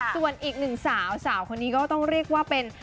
ส่วนอีกหนึ่งสาวสาวคนนี้ก็ต้องเรียกว่าเป็น